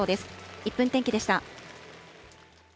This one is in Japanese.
１分天気でした。